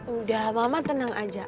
udah mama tenang aja